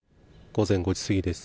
午前５時過ぎです。